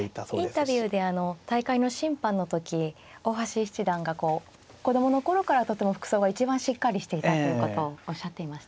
インタビューであの大会の審判の時大橋七段がこう子供の頃からとても服装が一番しっかりしていたということをおっしゃっていましたね。